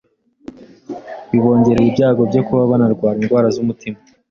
bibongerera ibyago byo kuba banarwara indwara z’umutima